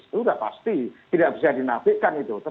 sebelum naruto kebijakannya lah pergi untuk dasarnya